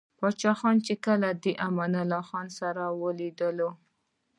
پاچاخان ،چې کله دې امان الله خان له ليدلو o